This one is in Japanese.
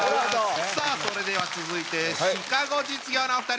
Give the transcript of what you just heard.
さあそれでは続いてシカゴ実業のお二人！